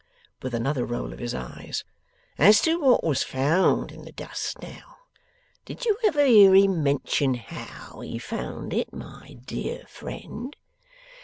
with another roll of his eyes. 'As to what was found in the dust now. Did you ever hear him mention how he found it, my dear friend?